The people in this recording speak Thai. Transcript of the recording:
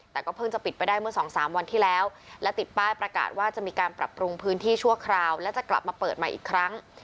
แต่ก็เพิ่งจะปิดไปได้เมื่อสองสามวันที่แล้วและติดป้ายประกาศว่าจะมีการปรับปรุงพื้นที่ชั่วคราวและจะกลับมาเปิดใหม่อีกครั้ง